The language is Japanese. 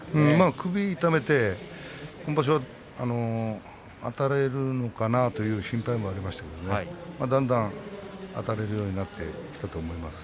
首を痛めて今場所はあたれるのかなと心配もありましたけど、だんだんあたれるようになってきたと思います。